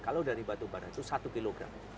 kalau dari batu bara itu satu kilogram